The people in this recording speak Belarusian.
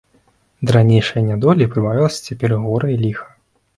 Да ранейшай нядолі прыбавілася цяпер і гора і ліха.